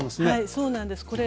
はいそうなんです。